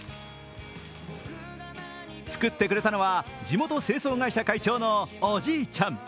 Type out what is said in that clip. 作ってくれたのは地元清掃会社会長のおじいちゃん。